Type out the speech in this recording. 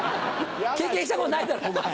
経験したことないだろお前。